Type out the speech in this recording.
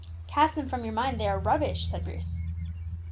"Cast them from your mind, they are rubbish," said Bruce.